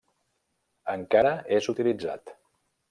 Encara és utilitzat.